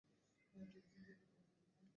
কেন এত আহত বোধ করছিলাম?